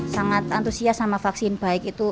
sangat antusias sama vaksin baik itu